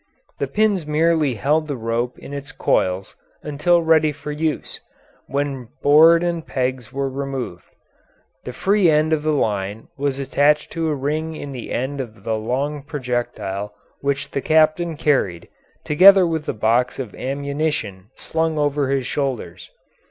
The pins merely held the rope in its coils until ready for use, when board and pegs were removed. The free end of the line was attached to a ring in the end of the long projectile which the captain carried, together with a box of ammunition slung over his shoulders.